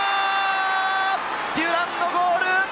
デュランのゴール！